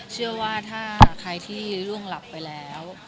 เชื่อว่าถ้าใครที่ร่วงหลับไปแล้ว